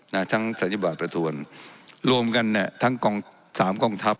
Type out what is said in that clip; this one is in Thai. นะทั้งศัลยบาทประทวนรวมกันเนี่ยทั้งกองสามกองทัพ